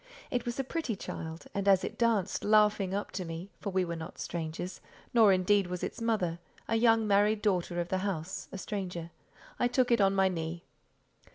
It was a pretty child, and as it danced, laughing, up to me—for we were not strangers (nor, indeed, was its mother—a young married daughter of the house—a stranger)—I took it on my knee.